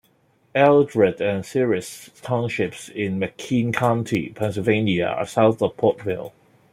Eldred and Ceres townships in McKean County, Pennsylvania, are south of Portville.